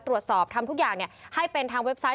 ทำทุกอย่างให้เป็นทางเว็บไซต์